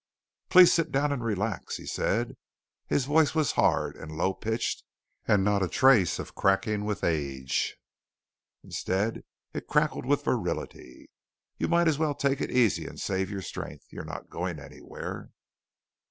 "Please sit down and relax," he said. His voice was hard and low pitched and not a trace of cracking with age. Instead, it crackled with virility. "You might as well take it easy and save your strength. You're not going anywhere."